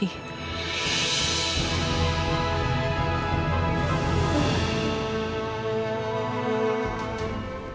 tidak kakak sudah pulang